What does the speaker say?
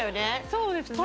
そうですね